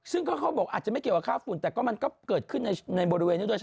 ซึ่งเขาบอกอาจจะไม่เกี่ยวกับค่าฝุ่นแต่ก็มันก็เกิดขึ้นในบริเวณนี้ด้วยใช่ไหม